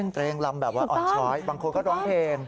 ครับเบอร์ลิ้นเทศ